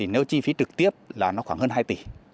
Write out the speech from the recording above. nếu chi phí trực tiếp là nó khoảng hơn hai tỷ